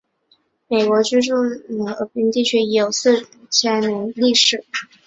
美国原住民生活在奥农达伽湖周边地区已有四五千年的历史。